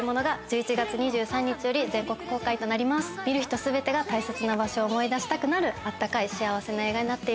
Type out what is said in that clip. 見る人全てが大切な場所を思い出したくなる温かい幸せな映画になっています。